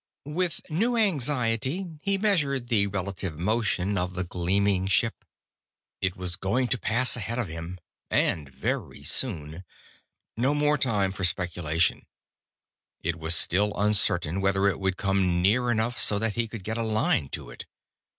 With new anxiety, he measured the relative motion of the gleaming ship. It was going to pass ahead of him. And very soon. No more time for speculation. It was still uncertain whether it would come near enough so that he could get a line to it.